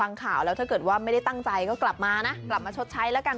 ข่าวแล้วถ้าเกิดว่าไม่ได้ตั้งใจก็กลับมานะกลับมาชดใช้แล้วกัน